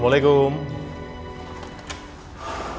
gw kok salah kata nino dan papa